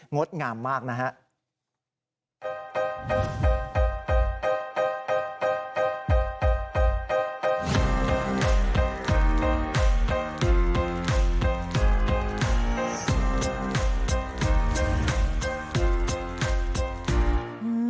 ดงามมากนะครับ